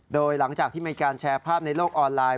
โดยหลังจากที่มีการแชร์ภาพในโลกออนไลน์